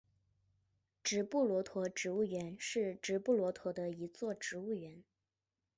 直布罗陀植物园是直布罗陀的一座植物园。